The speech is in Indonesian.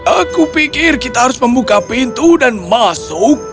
aku pikir kita harus membuka pintu dan masuk